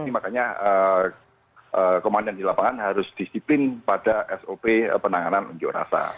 makanya komandan di lapangan harus disiplin pada sop penanganan unjuk rasa